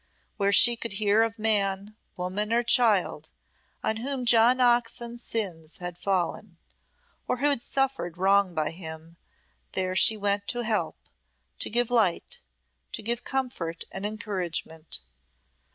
Where she could hear of man, woman, or child on whom John Oxon's sins had fallen, or who had suffered wrong by him, there she went to help, to give light, to give comfort and encouragement.